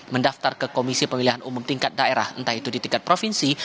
mendaftar ke komisi pemilihan umum tingkat daerah entah itu di tingkat provinsi